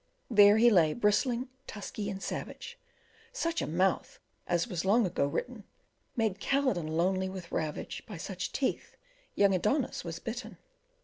There he lay, bristling, tusky, and savage; Such a mouth, as was long ago written; Made Calydon lonely with ravage, By such teeth young Adonis was bitten.